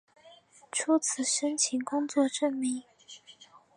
初次申请工作证明